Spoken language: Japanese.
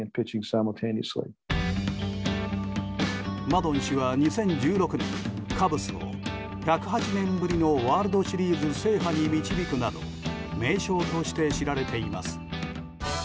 マドン氏は２０１６年カブスを１０８年ぶりのワールドシリーズ制覇に導くなど名将として知られています。